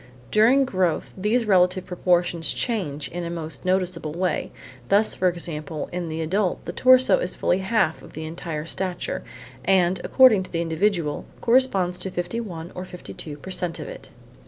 During growth these relative proportions change in a most noticeable way; thus, for example, in the adult the torso is fully half of the entire stature and, according to the individual, corresponds to 51 or 52 per cent of it.